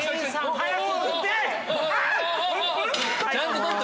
早く取って！